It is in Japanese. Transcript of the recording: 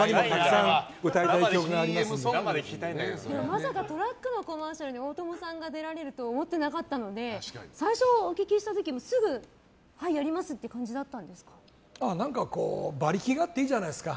まさかトラックのコマーシャルに大友さんが出られるとは思ってなかったので最初お聞きした時にはい、やりますって何か、馬力があっていいじゃないですか。